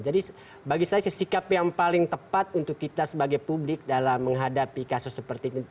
jadi bagi saya sikap yang paling tepat untuk kita sebagai publik dalam menghadapi kasus seperti ini